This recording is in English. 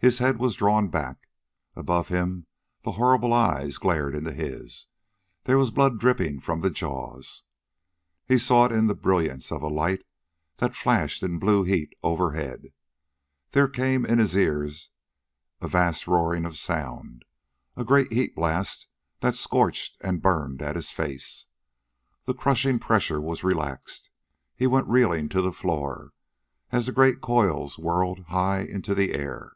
His head was drawn back. Above him the horrible eyes glared into his there was blood dripping from the jaws.... He saw it in the brilliance of a light that flashed in blue heat overhead. There came in his ears a vast roaring of sound, a great heat blast that scorched and burned at his face. The crushing pressure was relaxed. He went reeling to the floor, as the great coils whirled high into the air.